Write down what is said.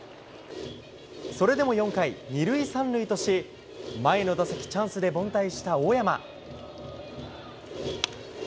それでも４回、２塁３塁とし、前の打席チャンスで凡退した大山。